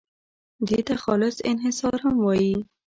دې ته خالص انحصار هم وایي.